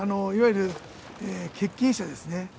いわゆる欠勤者ですね。